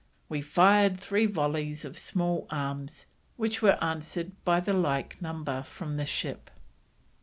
We fired three volleys of small arms, which were answer'd by the like number from the ship."